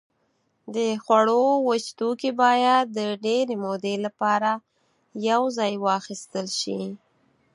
د خوړو وچ توکي باید د ډېرې مودې لپاره یوځای واخیستل شي.